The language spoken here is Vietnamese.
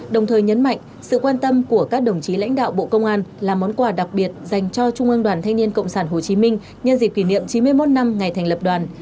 đồng thời nhấn mạnh sự quan tâm của các đồng chí lãnh đạo bộ công an là món quà đặc biệt dành cho trung ương đoàn thanh niên cộng sản hồ chí minh nhân dịp kỷ niệm chín mươi một năm ngày thành lập đoàn